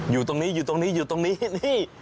อยู่ตรงนี้อยู่ตรงนี้อยู่ตรงนี้นี่